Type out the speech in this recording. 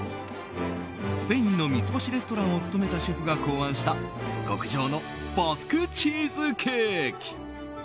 スペインの三つ星レストランを務めたシェフが考案した極上のバスクチーズケーキ。